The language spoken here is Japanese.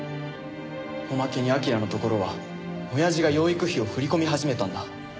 おまけに彬のところは親父が養育費を振り込み始めたんだ。